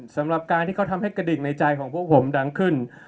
สำหรับการที่เขาทำให้กระดิ่งในใจของพวกผมดังขึ้น